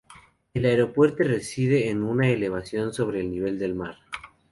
El aeropuerto reside a una elevación de sobre el nivel del mar.